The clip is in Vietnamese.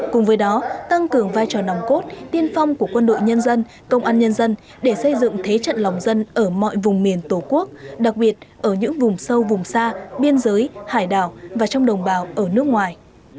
cùng với đó tăng cường vai trò nòng cốt tiên phong của quân đội nhân dân công an nhân dân để xây dựng thế trận lòng dân ở mọi vùng miền tổ quốc đặc biệt ở những vùng sâu vùng xa biên giới hải đảo và trong đồng bào ở nước ngoài